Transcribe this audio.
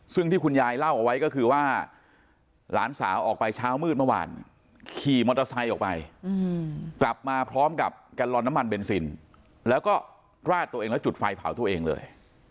ซึ่งที่คุณยายเล่าเอาไว้ก็คือว่าหลานสาวออกไปเช้ามืดเมื่อวานขี่มอเตอร์ไซค์ออกไปกลับมาพร้อมกับแกลลอนน้ำมันเบนซินแล้วก็ราดตัวเองแล้วจุดไฟเผาตัวเองเลย